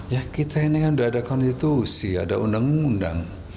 ya kita ini kan udah ada konstitusi ada undang undang